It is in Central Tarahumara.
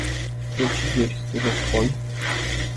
Échi yéri jú rejoí.